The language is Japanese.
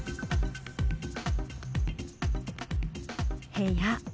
部屋。